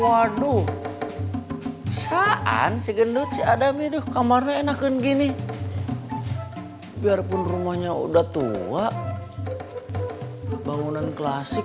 waduh saan segendut si adami duh kamarnya enakin gini biarpun rumahnya udah tua bangunan klasik